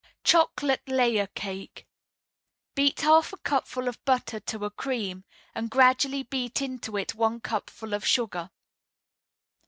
CHOCOLATE LAYER CAKE Beat half a cupful of butter to a cream, and gradually beat into it one cupful of sugar.